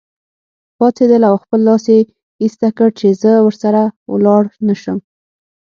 پاڅېدله او خپل لاس یې ایسته کړ چې زه ورسره ولاړ نه شم.